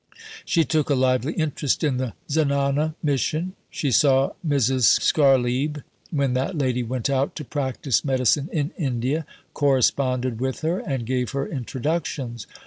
She took a lively interest in the Zenana mission. She saw Mrs. Scharlieb when that lady went out to practise medicine in India, corresponded with her, and gave her introductions.